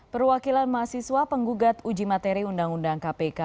perwakilan mahasiswa penggugat uji materi undang undang kpk